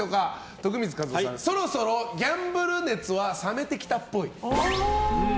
徳光和夫さんそろそろギャンブル熱は冷めてきたっぽい。